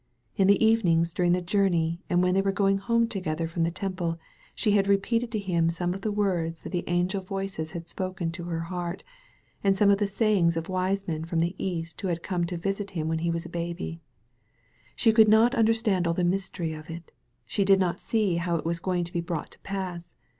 In the evenings during the journey and when they were going home together from the Temple, she had repeated to him some of the words that the angel voices had spoken to her heart, and some of the sayings of wise men from the East who came to visit him when he was a baby. She could not understand all the mystery of it; she did not see how it was going to be brought to pass.